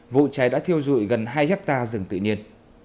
vụ cháy đã thiêu dụi gần hai hectare rừng tự nhiên